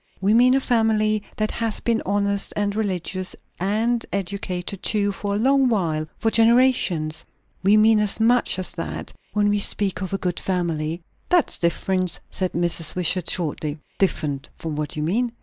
We mean a family that has been honest and religious, and educated too, for a long while for generations. We mean as much as that, when we speak of a good family." "That's different," said Mrs. Wishart shortly. "Different from what you mean?"